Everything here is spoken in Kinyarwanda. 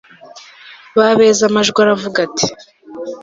Ba beza Amajwi aravuga ati